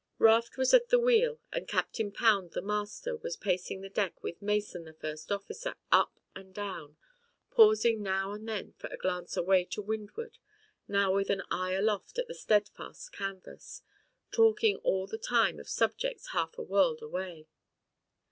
Raft was at the wheel and Captain Pound the master was pacing the deck with Mason the first officer, up and down, pausing now and then for a glance away to windward, now with an eye aloft at the steadfast canvas, talking all the time of subjects half a world away.